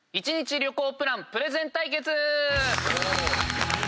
１日旅行プラン・プレゼン対決！